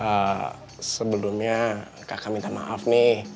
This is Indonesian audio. ya sebelumnya kakak minta maaf nih